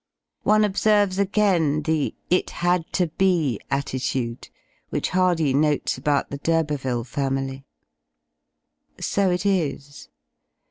One observes again the "It had to be!" attitude, which ^ Hardy notes about the D'Urberville family. So it is.